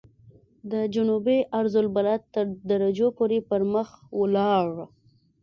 د جنوبي عرض البلد تر درجو پورې پرمخ ولاړ.